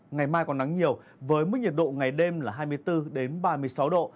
ngày mai còn nắng nhiều với mức nhiệt độ ngày đêm là hai mươi bốn ba mươi sáu độ